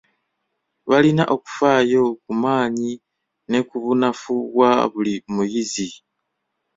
Balina okufaayo ku maanyi ne ku bunafu bwa buli muyizi.